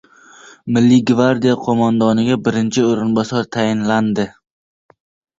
Milliy gvardiya qo‘mondoniga birinchi o‘rinbosar tayinlandi